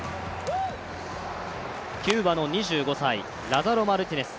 キューバの２５歳、ラザロ・マルティネス。